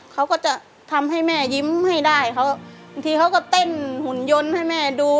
เขาก็จะทำให้แม่ยิ้มให้ได้เขาบางทีเขาก็เต้นหุ่นยนต์ให้แม่ดู